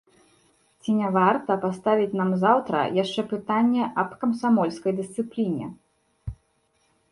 Ці не варта паставіць нам заўтра яшчэ пытанне аб камсамольскай дысцыпліне.